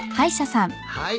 はい。